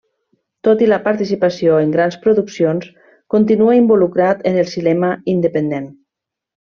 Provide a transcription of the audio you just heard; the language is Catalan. Tot i la participació en grans produccions, continua involucrat en el cinema independent.